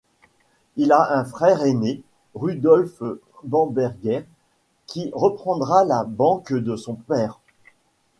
Il a un frère aîné, Rudolph Bamberger, qui reprendra la banque de son père.